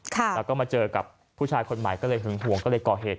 แล้วก็มาเจอกับผู้ชายคนใหม่ก็เลยหึงห่วงก็เลยก่อเหตุ